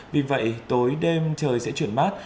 vì vậy tối đêm trời sẽ chuyển mát